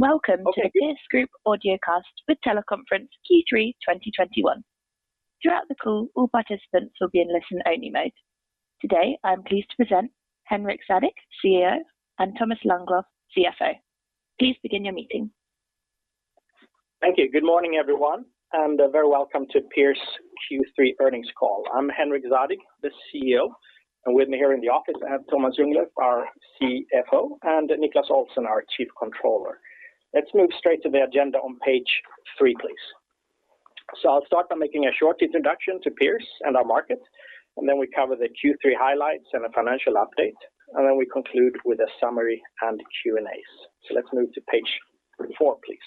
Welcome to a Pierce Group audiocast with teleconference Q3 2021. Throughout the call, all participants will be in listen-only mode. Today, I am pleased to present Henrik Zadig, CEO, and Tomas Ljunglöf, CFO. Please begin your meeting. Thank you. Good morning, everyone, and very welcome to Pierce Q3 earnings call. I'm Henrik Zadig, the CEO, and with me here in the office, I have Tomas Ljunglöf, our CFO, and Niclas Olsson, our chief controller. Let's move straight to the agenda on page 3, please. I'll start by making a short introduction to Pierce and our market, and then we cover the Q3 highlights and a financial update, and then we conclude with a summary and Q&As. Let's move to page 4, please.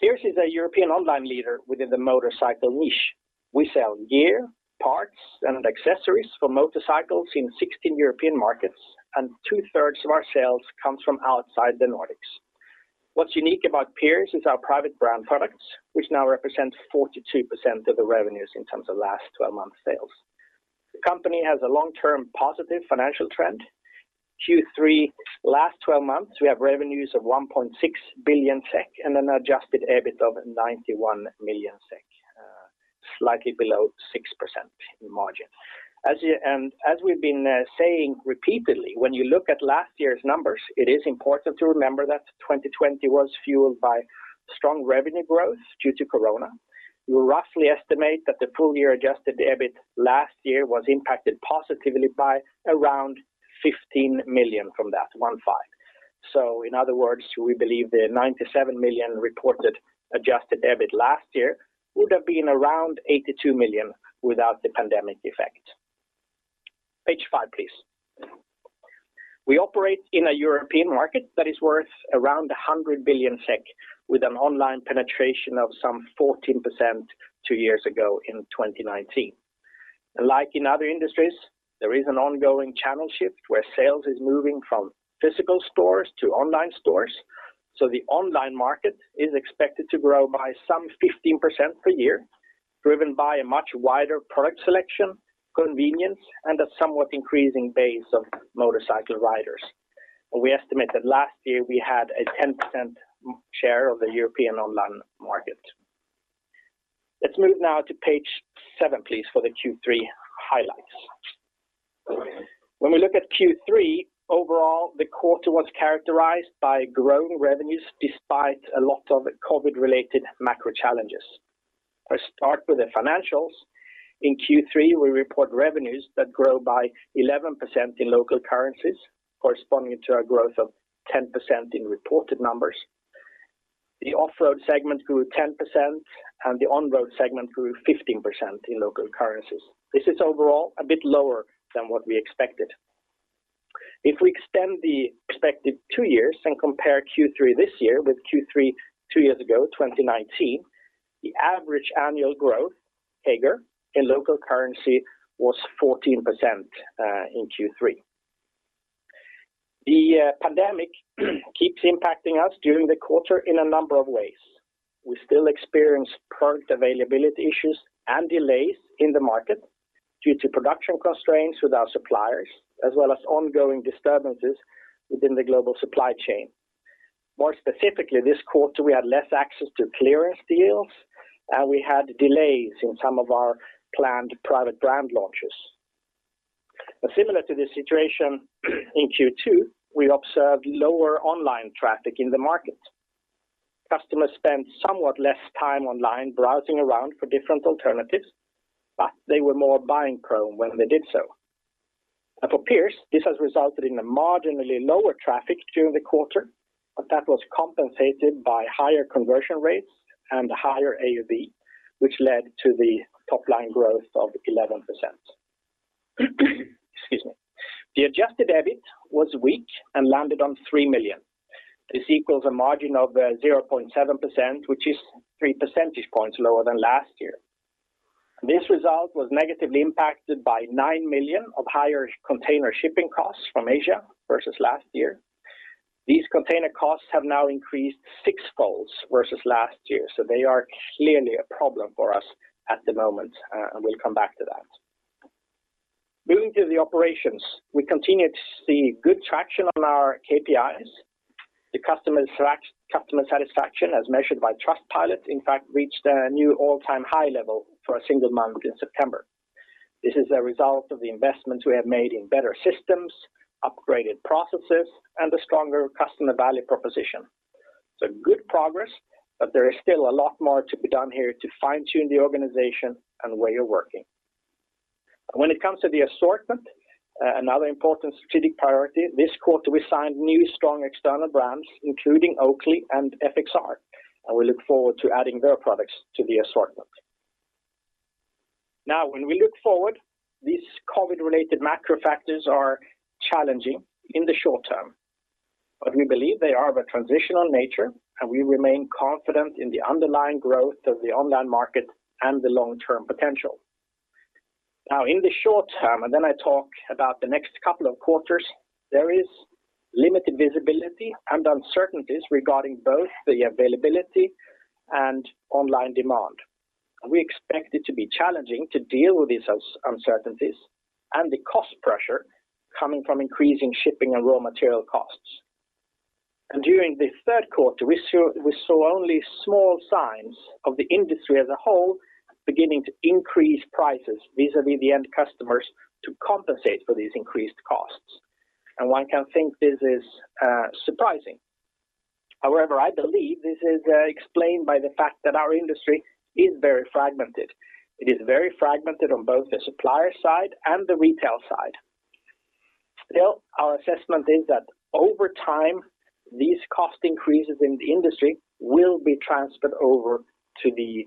Pierce is a European online leader within the motorcycle niche. We sell gear, parts, and accessories for motorcycles in 16 European markets, and 2/3 of our sales comes from outside the Nordics. What's unique about Pierce is our private brand products, which now represents 42% of the revenues in terms of last 12 months sales. The company has a long-term positive financial trend. Q3 last 12 months, we have revenues of 1.6 billion SEK and an adjusted EBIT of 91 million SEK, slightly below 6% in margin. As we've been saying repeatedly, when you look at last year's numbers, it is important to remember that 2020 was fueled by strong revenue growth due to corona. We roughly estimate that the full year adjusted EBIT last year was impacted positively by around 15 million from that, 15. In other words, we believe the 97 million reported adjusted EBIT last year would have been around 82 million without the pandemic effect. Page 5, please. We operate in a European market that is worth around 100 billion SEK with an online penetration of some 14% two years ago in 2019. Like in other industries, there is an ongoing channel shift where sales is moving from physical stores to online stores. The online market is expected to grow by some 15% per year, driven by a much wider product selection, convenience, and a somewhat increasing base of motorcycle riders. We estimate that last year we had a 10% market share of the European online market. Let's move now to page 7, please, for the Q3 highlights. When we look at Q3, overall, the quarter was characterized by growing revenues despite a lot of COVID-related macro challenges. Let's start with the financials. In Q3, we report revenues that grow by 11% in local currencies, corresponding to a growth of 10% in reported numbers. The Offroad segment grew 10%, and the Onroad segment grew 15% in local currencies. This is overall a bit lower than what we expected. If we extend the expected two years and compare Q3 this year with Q3 two years ago, 2019, the average annual growth, CAGR, in local currency was 14% in Q3. The pandemic keeps impacting us during the quarter in a number of ways. We still experience product availability issues and delays in the market due to production constraints with our suppliers, as well as ongoing disturbances within the global supply chain. More specifically, this quarter, we had less access to clearance deals, and we had delays in some of our planned private brand launches. Similar to the situation in Q2, we observed lower online traffic in the market. Customers spent somewhat less time online browsing around for different alternatives, but they were more buying prone when they did so. For Pierce, this has resulted in a marginally lower traffic during the quarter, but that was compensated by higher conversion rates and higher AOV, which led to the top-line growth of 11%. Excuse me. The adjusted EBIT was weak and landed on 3 million. This equals a margin of 0.7%, which is three percentage points lower than last year. This result was negatively impacted by 9 million of higher container shipping costs from Asia versus last year. These container costs have now increased sixfold versus last year, so they are clearly a problem for us at the moment, and we'll come back to that. Moving to the operations, we continue to see good traction on our KPIs. The customer satisfaction as measured by Trustpilot, in fact, reached a new all-time high level for a single month in September. This is a result of the investments we have made in better systems, upgraded processes, and a stronger customer value proposition. Good progress, but there is still a lot more to be done here to fine-tune the organization and way of working. When it comes to the assortment, another important strategic priority, this quarter we signed new strong external brands, including Oakley and FXR, and we look forward to adding their products to the assortment. Now, when we look forward, these COVID-related macro factors are challenging in the short term, but we believe they are of a transitional nature, and we remain confident in the underlying growth of the online market and the long-term potential. Now, in the short term, and then I talk about the next couple of quarters, there is limited visibility and uncertainties regarding both the availability and online demand. We expect it to be challenging to deal with these uncertainties and the cost pressure coming from increasing shipping and raw material costs. During the Q3, we saw only small signs of the industry as a whole beginning to increase prices vis-a-vis the end customers to compensate for these increased costs. One can think this is surprising. However, I believe this is explained by the fact that our industry is very fragmented. It is very fragmented on both the supplier side and the retail side. Still, our assessment is that over time, these cost increases in the industry will be transferred over to the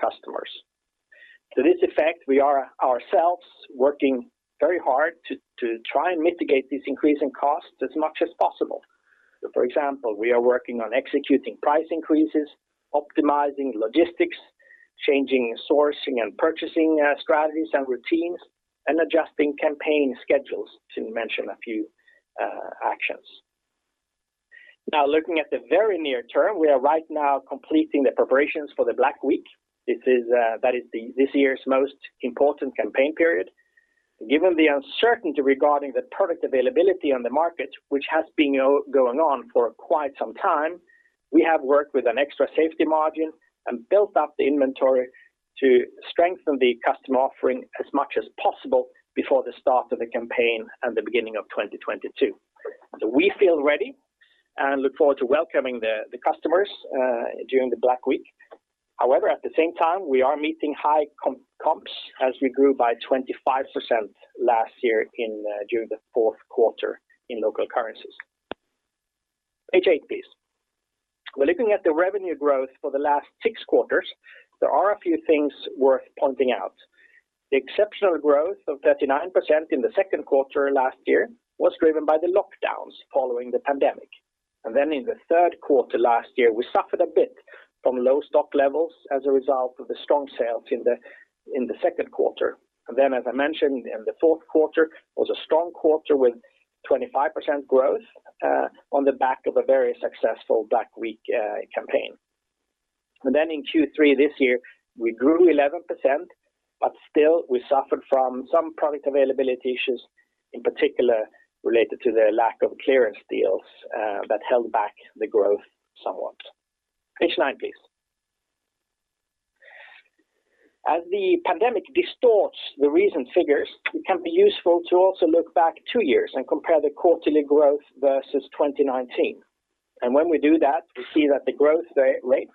customers. To this effect, we are ourselves working very hard to try and mitigate these increasing costs as much as possible. For example, we are working on executing price increases, optimizing logistics, changing sourcing and purchasing strategies and routines, and adjusting campaign schedules, to mention a few actions. Now looking at the very near term, we are right now completing the preparations for the Black Week. This is that is the this year's most important campaign period. Given the uncertainty regarding the product availability on the market, which has been ongoing for quite some time, we have worked with an extra safety margin and built up the inventory to strengthen the customer offering as much as possible before the start of the campaign and the beginning of 2022. We feel ready and look forward to welcoming the customers during the Black Week. However, at the same time, we are meeting high comps as we grew by 25% last year during the Q4 in local currencies. Page eight, please. When looking at the revenue growth for the last six quarters, there are a few things worth pointing out. The exceptional growth of 39% in the Q2 last year was driven by the lockdowns following the pandemic. In the Q3 last year, we suffered a bit from low stock levels as a result of the strong sales in the Q2. As I mentioned, in the Q4 was a strong quarter with 25% growth on the back of a very successful Black Week campaign. In Q3 this year, we grew 11%, but still we suffered from some product availability issues, in particular related to the lack of clearance deals that held back the growth somewhat. Page nine, please. As the pandemic distorts the recent figures, it can be useful to also look back two years and compare the quarterly growth versus 2019. When we do that, we see that the growth rate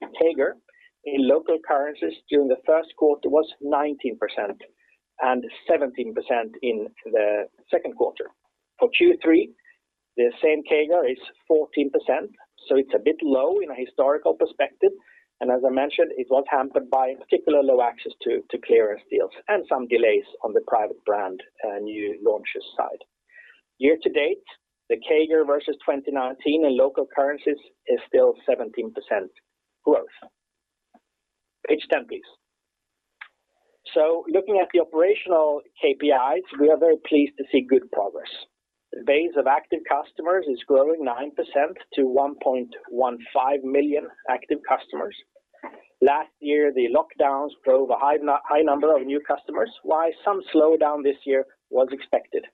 CAGR in local currencies during the Q1 was 19% and 17% in the Q1. For Q3, the same CAGR is 14%, so it's a bit low in a historical perspective. As I mentioned, it was hampered by particularly low access to clearance deals and some delays on the private brand new launches side. Year to date, the CAGR versus 2019 in local currencies is still 17% growth. Page 10, please. Looking at the operational KPIs, we are very pleased to see good progress. The base of active customers is growing 9% to 1.15 million active customers. Last year, the lockdowns drove a high number of new customers, while some slowdown this year was expected.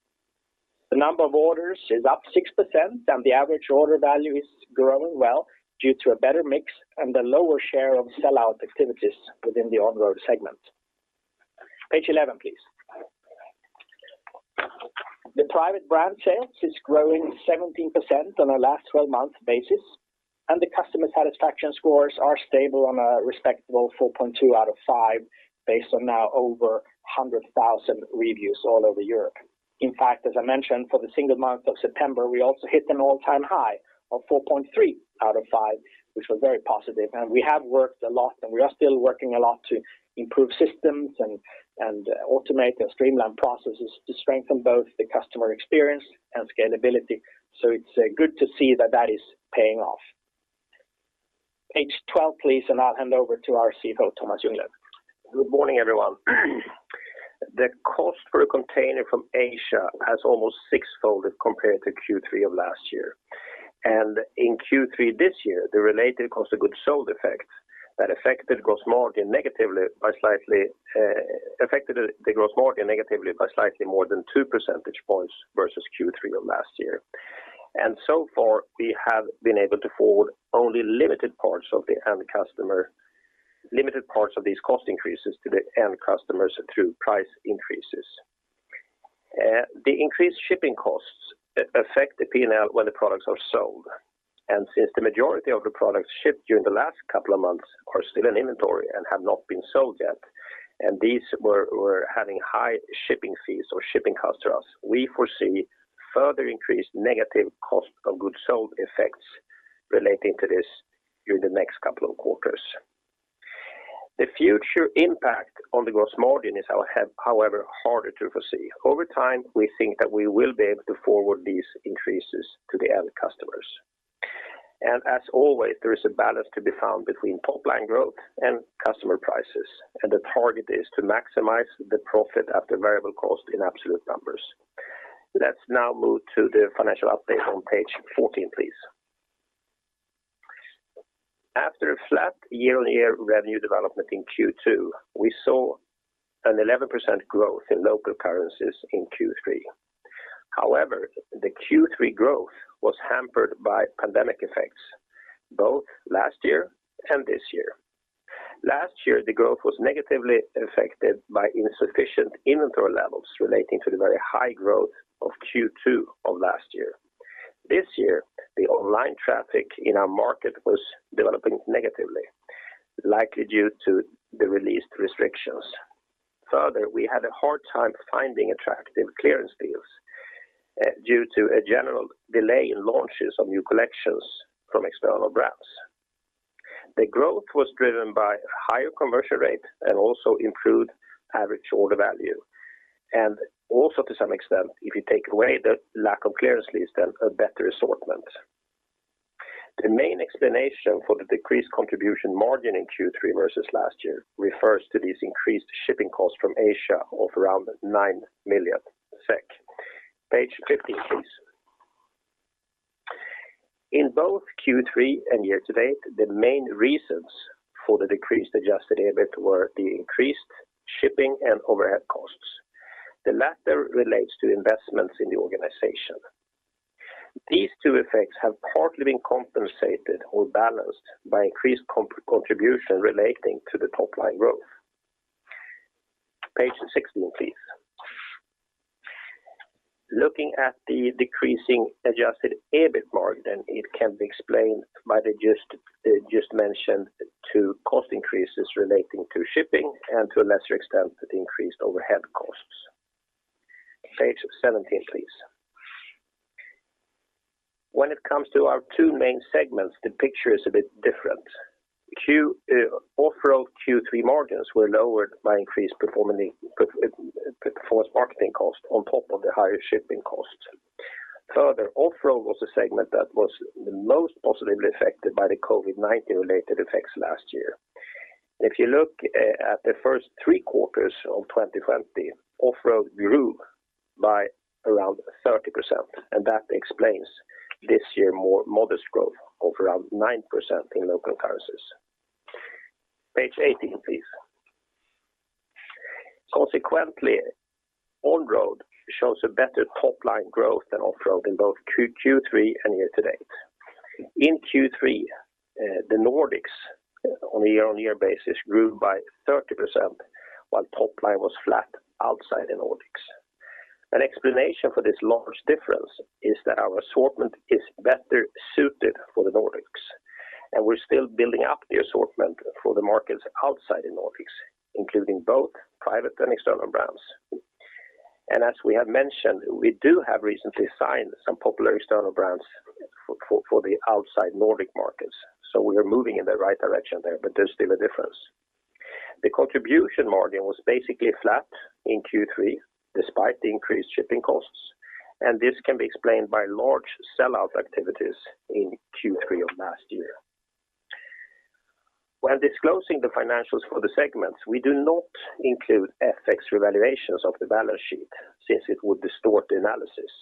The number of orders is up 6%, and the average order value is growing well due to a better mix and a lower share of clearance activities within the Onroad segment. Page eleven, please. The private brand sales is growing 17% on a last 12-month basis, and the customer satisfaction scores are stable on a respectable 4.2 out of 5 based on now over 100,000 reviews all over Europe. In fact, as I mentioned, for the single month of September, we also hit an all-time high of 4.3 out of 5, which was very positive. We have worked a lot, and we are still working a lot to improve systems and automate and streamline processes to strengthen both the customer experience and scalability. It's good to see that is paying off. Page 12, please, and I'll hand over to our CFO, Tomas Ljunglöf. Good morning, everyone. The cost for a container from Asia has almost sixfolded compared to Q3 of last year. In Q3 this year, the related cost of goods sold effect that affected gross margin negatively by slightly more than 2 percentage points versus Q3 of last year. So far, we have been able to forward only limited parts of these cost increases to the end customers through price increases. The increased shipping costs affect the P&L when the products are sold. Since the majority of the products shipped during the last couple of months are still in inventory and have not been sold yet, and these were having high shipping fees or shipping costs to us, we foresee further increased negative cost of goods sold effects relating to this during the next couple of quarters. The future impact on the gross margin is, however, harder to foresee. Over time, we think that we will be able to forward these increases to the end customers. As always, there is a balance to be found between top-line growth and customer prices. The target is to maximize the profit at the variable cost in absolute numbers. Let's now move to the financial update on page 14, please. After a flat year-on-year revenue development in Q2, we saw an 11% growth in local currencies in Q3. However, the Q3 growth was hampered by pandemic effects, both last year and this year. Last year, the growth was negatively affected by insufficient inventory levels relating to the very high growth of Q2 of last year. This year, the online traffic in our market was developing negatively, likely due to the released restrictions. Further, we had a hard time finding attractive clearance deals, due to a general delay in launches of new collections from external brands. The growth was driven by a higher conversion rate and also improved average order value. Also to some extent, if you take away the lack of clearance deals, then a better assortment. The main explanation for the decreased contribution margin in Q3 versus last year refers to these increased shipping costs from Asia of around 9 million SEK. Page 15, please. In both Q3 and year-to-date, the main reasons for the decreased adjusted EBIT were the increased shipping and overhead costs. The latter relates to investments in the organization. These two effects have partly been compensated or balanced by increased contribution relating to the top-line growth. Page 16, please. Looking at the decreasing adjusted EBIT margin, it can be explained by the just mentioned two cost increases relating to shipping and to a lesser extent, the increased overhead costs. Page 17, please. When it comes to our two main segments, the picture is a bit different. Offroad Q3 margins were lowered by increased performance marketing costs on top of the higher shipping costs. Further, Offroad was a segment that was the most positively affected by the COVID-19 related effects last year. If you look at the first three quarters of 2020, Offroad grew by around 30%, and that explains this year more modest growth of around 9% in local currencies. Page 18, please. Consequently, Onroad shows a better top-line growth than Offroad in both Q3 and year-to-date. In Q3, the Nordics on a year-on-year basis grew by 30%, while top line was flat outside the Nordics. An explanation for this large difference is that our assortment is better suited for the Nordics, and we're still building up the assortment for the markets outside the Nordics, including both private and external brands. As we have mentioned, we do have recently signed some popular external brands for the outside Nordic markets. We are moving in the right direction there, but there's still a difference. The contribution margin was basically flat in Q3, despite the increased shipping costs, and this can be explained by large sell-out activities in Q3 of last year. When disclosing the financials for the segments, we do not include FX revaluations of the balance sheet since it would distort the analysis.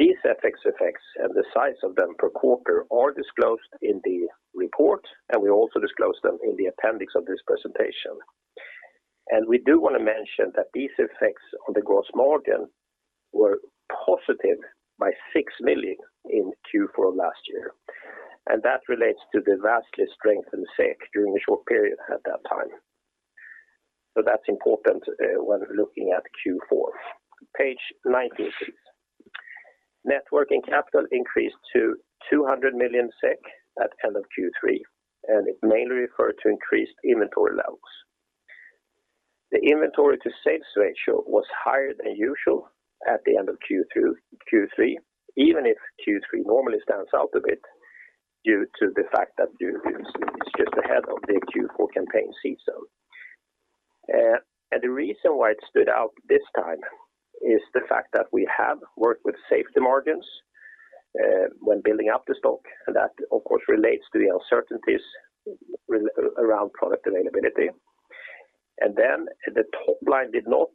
These FX effects and the size of them per quarter are disclosed in the report, and we also disclose them in the appendix of this presentation. We do want to mention that these effects on the gross margin were positive by 6 million in Q4 last year, and that relates to the vastly strengthened SEK during a short period at that time. That's important when looking at Q4. Page 19, please. Net working capital increased to 200 million SEK at end of Q3, and it mainly referred to increased inventory levels. The inventory to sales ratio was higher than usual at the end of Q3, even if Q3 normally stands out a bit due to the fact that its just ahead of the Q4 campaign season. The reason why it stood out this time is the fact that we have worked with safety margins, when building up the stock, and that of course, relates to the uncertainties around product availability. The top line did not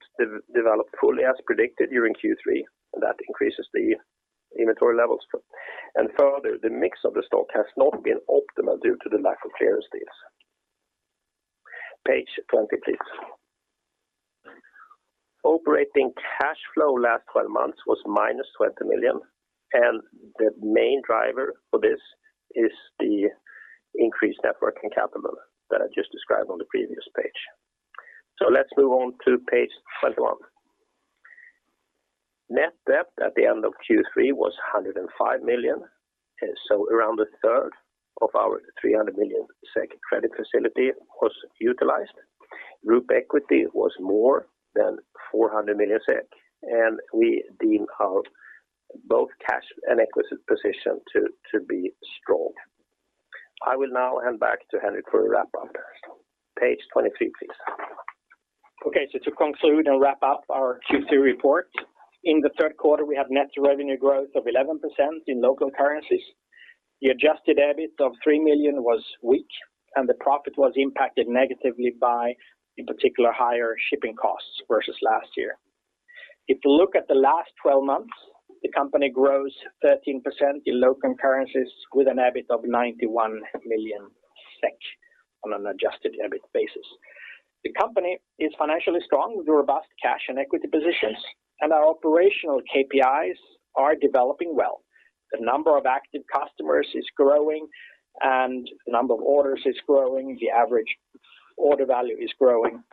develop fully as predicted during Q3, and that increases the inventory levels. Further, the mix of the stock has not been optimal due to the lack of clearance deals. Page 20, please. Operating cash flow last 12 months was minus 20 million, and the main driver for this is the increased net working capital that I just described on the previous page. Let's move on to page 21. Net debt at the end of Q3 was 105 million, and around a third of our 300 million SEK credit facility was utilized. Group equity was more than 400 million SEK, and we deem our both cash and equity position to be strong. I will now hand back to Henrik for a wrap-up. Page 23, please. Okay. To conclude and wrap up our Q3 report. In the Q3, we have net revenue growth of 11% in local currencies. The adjusted EBIT of 3 million was weak and the profit was impacted negatively by, in particular, higher shipping costs versus last year. If you look at the last 12 months, the company grows 13% in local currencies with an EBIT of 91 million SEK on an adjusted EBIT basis. The company is financially strong with a robust cash and equity positions, and our operational KPIs are developing well. The number of active customers is growing and the number of orders is growing, the average order value is growing.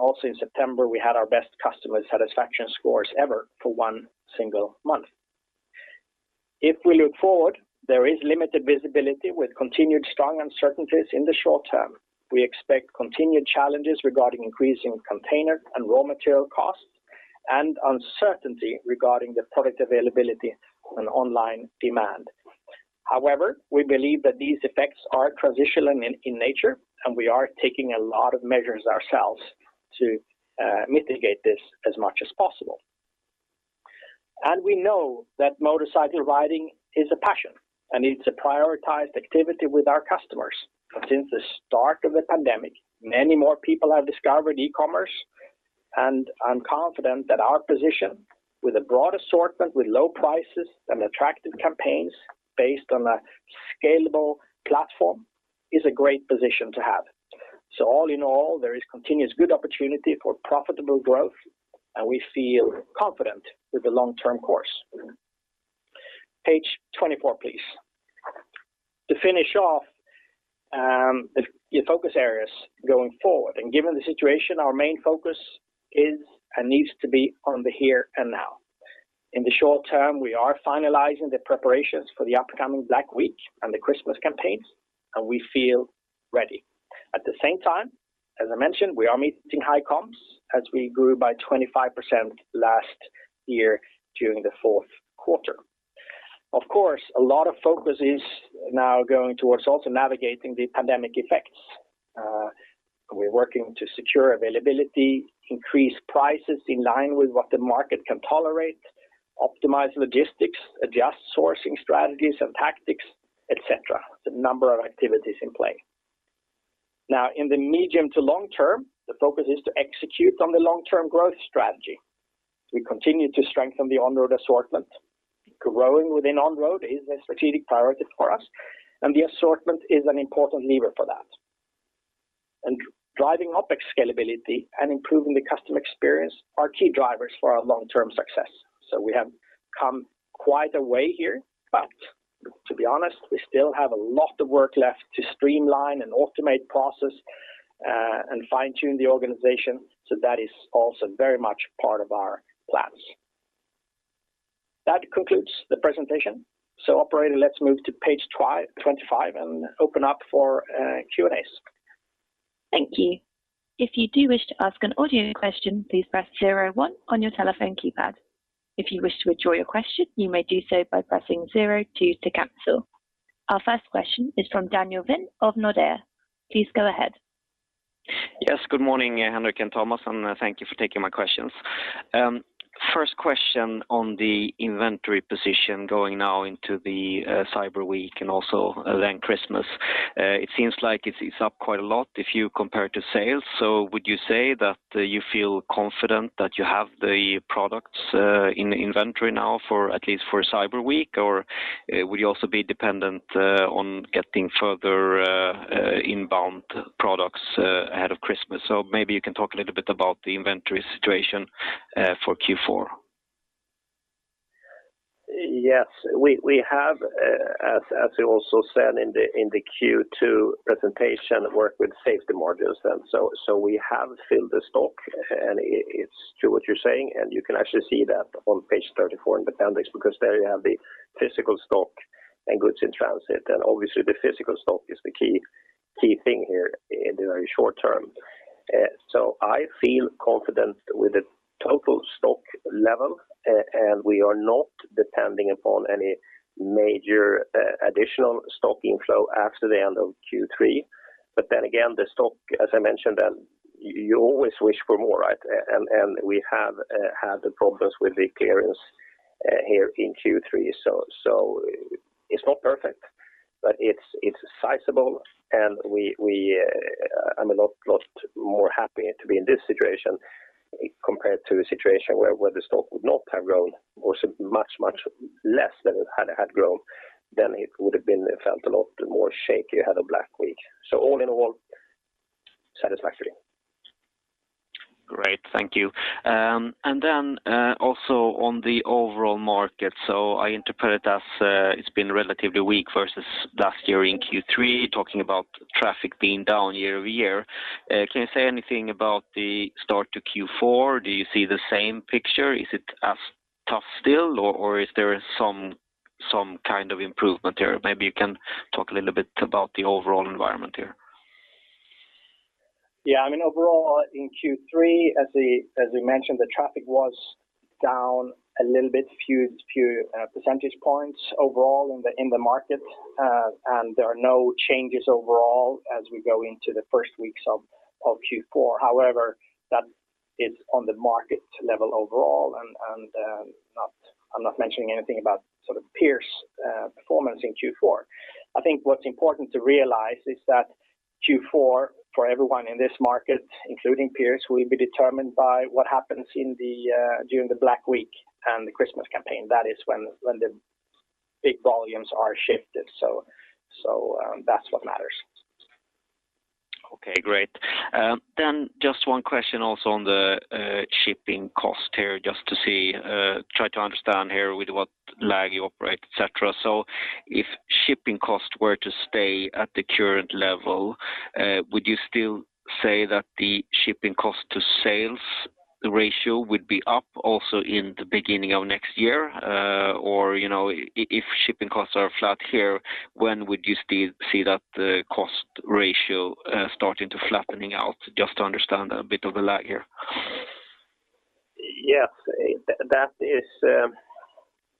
Also in September, we had our best customer satisfaction scores ever for one single month. If we look forward, there is limited visibility with continued strong uncertainties in the short term. We expect continued challenges regarding increasing container and raw material costs, and uncertainty regarding the product availability and online demand. However, we believe that these effects are transitional in nature, and we are taking a lot of measures ourselves to mitigate this as much as possible. We know that motorcycle riding is a passion, and it's a prioritized activity with our customers. Since the start of the pandemic, many more people have discovered e-commerce, and I'm confident that our position with a broad assortment, with low prices and attractive campaigns based on a scalable platform is a great position to have. All in all, there is continuous good opportunity for profitable growth, and we feel confident with the long-term course. Page 24, please. To finish off, the focus areas going forward. Given the situation, our main focus is and needs to be on the here and now. In the short term, we are finalizing the preparations for the upcoming Black Week and the Christmas campaigns, and we feel ready. At the same time, as I mentioned, we are meeting high comps as we grew by 25% last year during the Q4. Of course, a lot of focus is now going towards also navigating the pandemic effects. We're working to secure availability, increase prices in line with what the market can tolerate, optimize logistics, adjust sourcing strategies and tactics, et cetera, the number of activities in play now in the medium to long term, the focus is to execute on the long-term growth strategy. We continue to strengthen the On-road assortment. Growing within Onroad is a strategic priority for us, and the assortment is an important lever for that. Driving up scalability and improving the customer experience are key drivers for our long-term success. We have come quite a way here, but to be honest, we still have a lot of work left to streamline and automate process, and fine-tune the organization. That is also very much part of our plans. That concludes the presentation. Operator, let's move to page 25 and open up for Q&As. Thank you. If you do wish to ask an audio question, please press zero one on your telephone keypad. If you wish to withdraw your question, you may do so by pressing zero-two to cancel. Our first question is from Daniel Ovin of Nordea. Please go ahead. Yes, good morning, Henrik and Tomas, and thank you for taking my questions. First question on the inventory position going now into the Cyber Week and also then Christmas. It seems like it's up quite a lot if you compare to sales. Would you say that you feel confident that you have the products in inventory now for at least Cyber Week? Or will you also be dependent on getting further inbound products ahead of Christmas? Maybe you can talk a little bit about the inventory situation for Q4. Yes. We have, as we also said in the Q2 presentation, we work with safety margins. We have filled the stock, and it's true what you're saying, and you can actually see that on page 34 in the appendix because there you have the physical stock and goods in transit. Obviously the physical stock is the key thing here in the very short term. I feel confident with the total stock level, and we are not depending upon any major additional stock inflow after the end of Q3. Then again, the stock, as I mentioned, you always wish for more, right? We have had the problems with the clearance here in Q3. It's not perfect, but it's sizable and I'm a lot more happy to be in this situation compared to a situation where the stock would not have grown or much less than it had grown than it would have been felt a lot more shaky ahead of Black Week. All in all, satisfactory. Great. Thank you. Also on the overall market. I interpret it as it's been relatively weak versus last year in Q3, talking about traffic being down year-over-year. Can you say anything about the start to Q4? Do you see the same picture? Is it as tough still or is there some kind of improvement there? Maybe you can talk a little bit about the overall environment here. Yeah, I mean, overall in Q3, as we mentioned, the traffic was down a little bit, few percentage points overall in the market. There are no changes overall as we go into the first weeks of Q4. However, that's on the market level overall. I'm not mentioning anything about sort of Pierce performance in Q4. I think what's important to realize is that Q4 for everyone in this market, including Pierce, will be determined by what happens during the Black Week and the Christmas campaign. That is when the big volumes are shifted. That's what matters. Okay, great. Just one question also on the shipping cost here, just to see, try to understand here with what lag you operate, et cetera. If shipping costs were to stay at the current level, would you still say that the shipping cost to sales ratio would be up also in the beginning of next year? Or, you know, if shipping costs are flat here, when would you still see that cost ratio starting to flatten out? Just to understand a bit of the lag here. Yes. That is,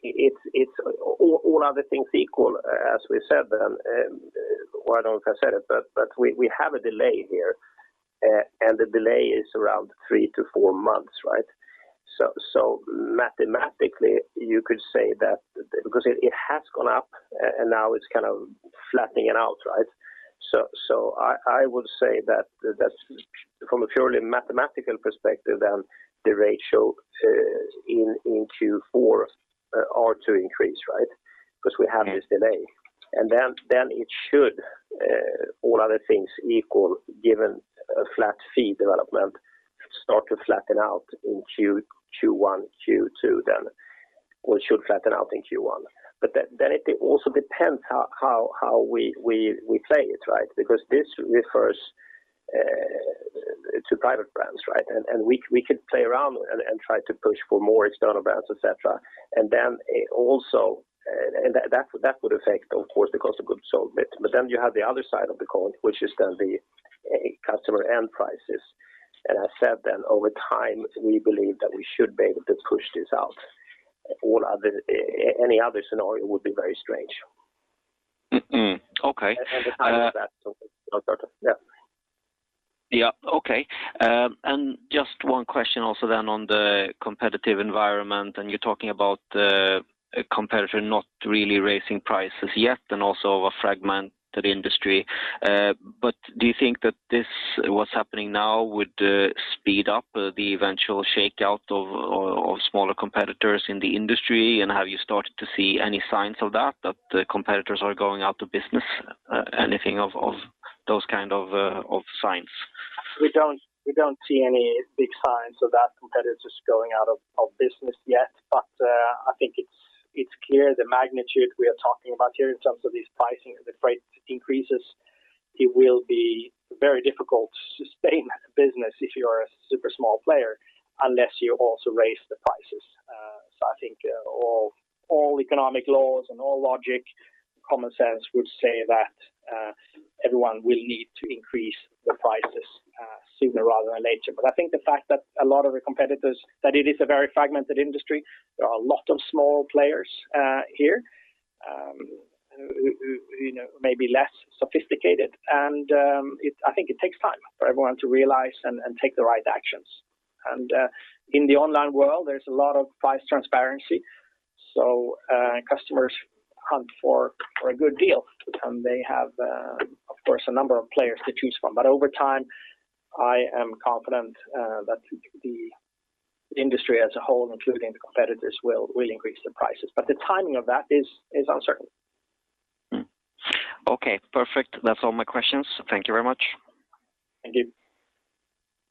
it's all other things equal, as we said, and why didn't I say it, but we have a delay here. The delay is around 3 months-4 months, right? I would say that that's from a purely mathematical perspective the ratio in Q4 is to increase, right? Because we have this delay. It should, all other things equal, given a flat fee development, start to flatten out in Q1, Q2. It should flatten out in Q1. It also depends how we play it, right? Because this refers to private brands, right? We could play around and try to push for more external brands, et cetera. That would affect, of course, the cost of goods sold. You have the other side of the coin, which is going to be customer end prices. I said that over time, we believe that we should be able to push this out. Any other scenario would be very strange. Okay. The timing of that. Yeah. Yeah. Okay. Just one question also on the competitive environment, and you're talking about the competitor not really raising prices yet and also a fragmented industry. Do you think that this, what's happening now would speed up the eventual shakeout of smaller competitors in the industry? Have you started to see any signs of that the competitors are going out of business, anything of those kind of signs? We don't see any big signs of that, competitors going out of business yet. I think it's clear the magnitude we are talking about here in terms of these pricing and the freight increases. It will be very difficult to sustain that business if you are a super small player unless you also raise the prices. I think all economic laws and all logic, common sense would say that everyone will need to increase the prices sooner rather than later. I think the fact that a lot of the competitors, that it is a very fragmented industry, there are a lot of small players here who you know may be less sophisticated. I think it takes time for everyone to realize and take the right actions. In the online world, there's a lot of price transparency, so, customers hunt for a good deal. They have, of course, a number of players to choose from. Over time, I am confident that the industry as a whole, including the competitors, will increase the prices. The timing of that is uncertain. Okay, perfect. That's all my questions. Thank you very much. Thank you.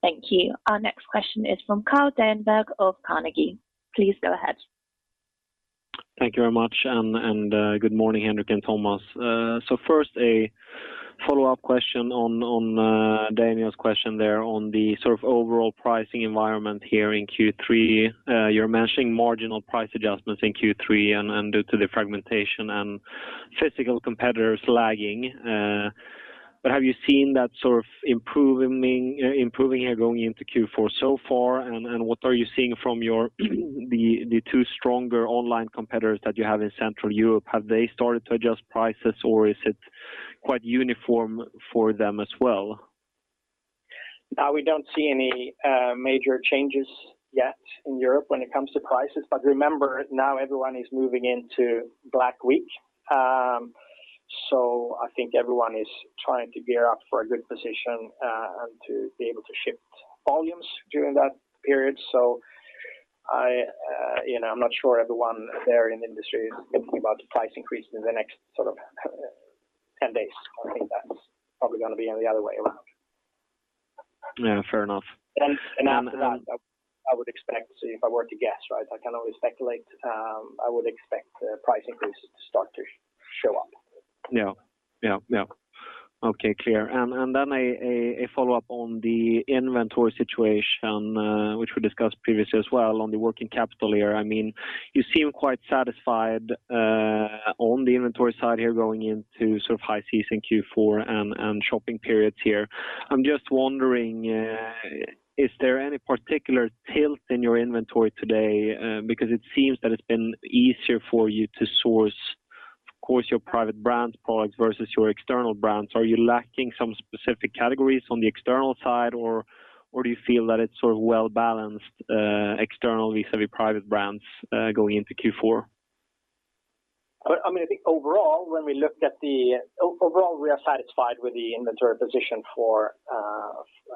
Thank you. Our next question is from Carl Deijenberg of Carnegie. Please go ahead. Thank you very much. Good morning, Henrik and Tomas. First, a follow-up question on Daniel's question there on the sort of overall pricing environment here in Q3. You're mentioning marginal price adjustments in Q3 and due to the fragmentation and physical competitors lagging. Have you seen that sort of improving here going into Q4 so far? What are you seeing from the two stronger online competitors that you have in Central Europe? Have they started to adjust prices or is it quite uniform for them as well? We don't see any major changes yet in Europe when it comes to prices. Remember, now everyone is moving into Black Week. I think everyone is trying to gear up for a good position and to be able to ship volumes during that period. I, you know, I'm not sure everyone there in the industry is thinking about price increase in the next sort of 10 days. I think that's probably gonna be the other way around. Yeah, fair enough. After that, I would expect to see if I were to guess, right? I can only speculate. I would expect price increases to start to show up. Yeah. Okay, clear. A follow-up on the inventory situation, which we discussed previously as well on the working capital here. I mean, you seem quite satisfied on the inventory side here going into sort of high season Q4 and shopping periods here. I'm just wondering, is there any particular tilt in your inventory today? Because it seems that it's been easier for you to source, of course, your private brand products versus your external brands. Are you lacking some specific categories on the external side or do you feel that it's sort of well-balanced, externally vis-a-vis private brands, going into Q4? I mean, I think overall, when we look at overall, we are satisfied with the inventory position for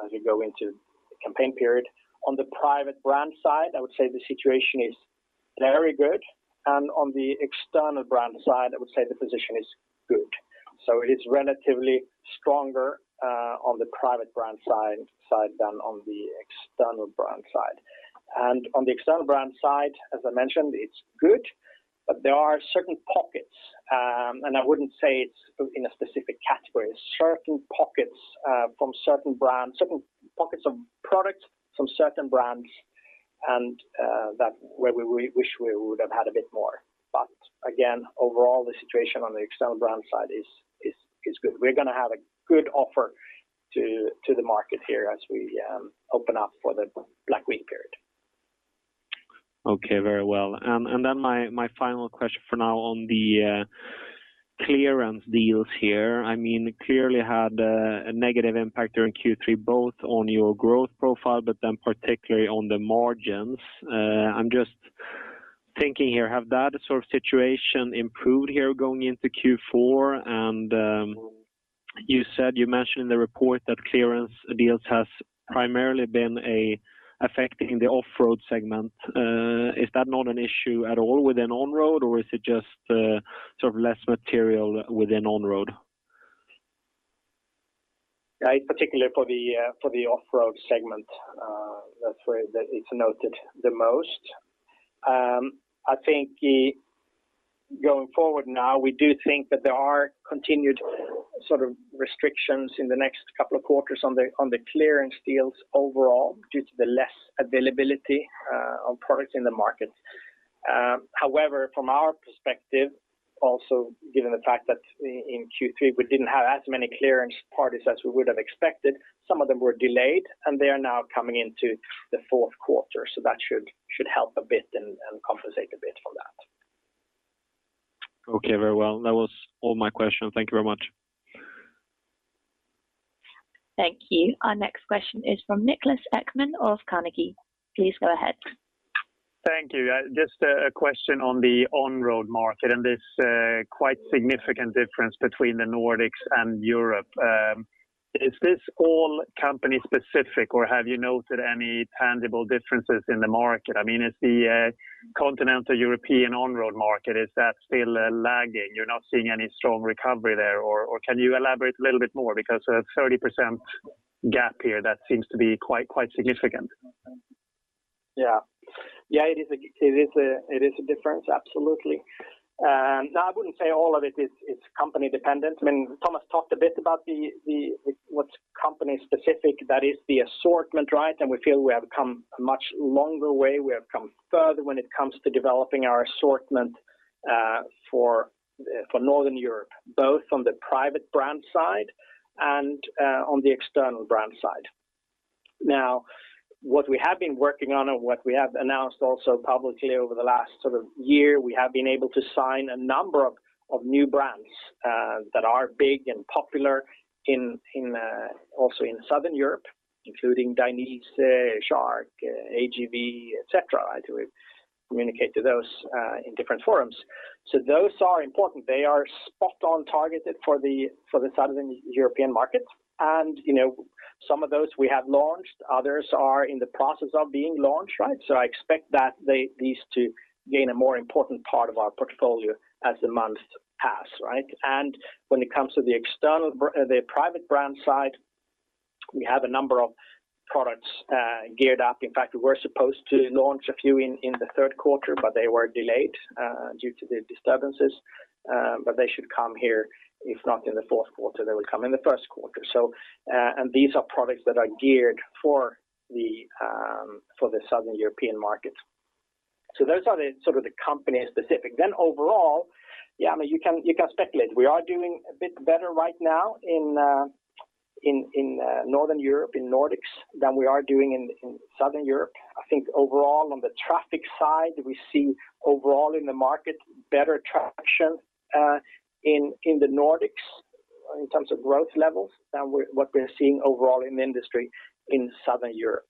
as we go into the campaign period. On the private brand side, I would say the situation is very good. On the external brand side, I would say the position is good. It is relatively stronger on the private brand side than on the external brand side. On the external brand side, as I mentioned, it's good. There are certain pockets, and I wouldn't say it's in a specific category, certain pockets from certain brands, certain pockets of products from certain brands and that where we wish we would have had a bit more. Again, overall, the situation on the external brand side is good. We're gonna have a good offer to the market here as we open up for the Black Week period. Okay, very well. My final question for now on the clearance deals here. I mean, clearly had a negative impact during Q3, both on your growth profile, but then particularly on the margins. I'm just thinking here, have that sort of situation improved here going into Q4 and you said you mentioned in the report that clearance deals has primarily been an effect in the Offroad segment. Is that not an issue at all within Onroad, or is it just sort of less material within Onroad? Yeah, in particular for the Offroad segment, that's where it's noted the most. I think going forward now, we do think that there are continued sort of restrictions in the next couple of quarters on the clearance deals overall, due to the less availability of products in the market. However, from our perspective, also given the fact that in Q3, we didn't have as many clearance activities as we would have expected. Some of them were delayed, and they are now coming into the Q4. That should help a bit and compensate a bit for that. Okay, very well. That was all my questions. Thank you very much. Thank you. Our next question is from Niklas Ekman of Carnegie. Please go ahead. Thank you. Just a question on the on-road market and this quite significant difference between the Nordics and Europe. Is this all company specific or have you noted any tangible differences in the market? I mean, is the continental European on-road market, is that still lagging? You're not seeing any strong recovery there or can you elaborate a little bit more? Because a 30% gap here, that seems to be quite significant. Yeah, it is a difference, absolutely. No, I wouldn't say all of it is company dependent. I mean, Tomas talked a bit about what's company specific, that is the assortment, right? We feel we have come a much longer way. We have come further when it comes to developing our assortment for Northern Europe, both from the private brand side and on the external brand side. Now, what we have been working on and what we have announced also publicly over the last sort of year, we have been able to sign a number of new brands that are big and popular also in Southern Europe, including Dainese, Shark, AGV, et cetera, as we communicate to those in different forums. Those are important. They are spot on targeted for the Southern European market. You know, some of those we have launched, others are in the process of being launched, right? I expect these to gain a more important part of our portfolio as the months pass, right? When it comes to the private brand side, we have a number of products geared up. In fact, we were supposed to launch a few in the Q3, but they were delayed due to the disturbances. But they should come here, if not in the Q4, they will come in the Q1. These are products that are geared for the Southern European market. Those are the sort of company specific. Overall, yeah, I mean, you can speculate. We are doing a bit better right now in Northern Europe, in Nordics, than we are doing in Southern Europe. I think overall, on the traffic side, we see overall in the market better traction in the Nordics in terms of growth levels than what we're seeing overall in the industry in Southern Europe.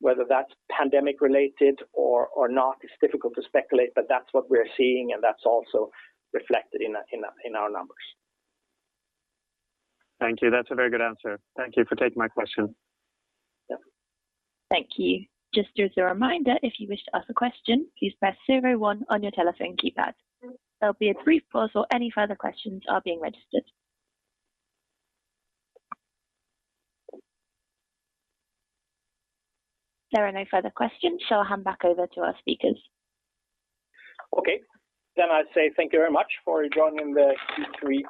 Whether that's pandemic-related or not, it's difficult to speculate, but that's what we're seeing, and that's also reflected in our numbers. Thank you. That's a very good answer. Thank you for taking my question. Thank you. Just as a reminder, if you wish to ask a question, please press zero one on your telephone keypad. There'll be a brief pause while any further questions are being registered. There are no further questions, so I'll hand back over to our speakers. Okay. I'd say thank you very much for joining the Q3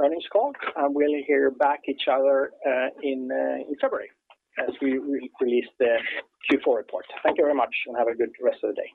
earnings call. We'll hear from each other in February as we release the Q4 report. Thank you very much and have a good rest of the day.